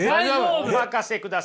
お任せください。